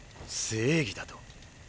正義だと？